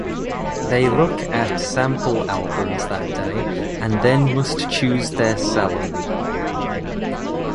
They look at sample albums that day and then must choose their salon.